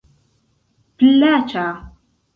plaĉa